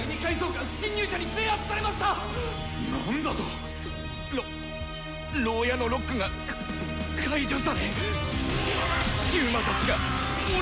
何だと⁉ろ牢屋のロックがか解除され囚魔たちが檻の外に！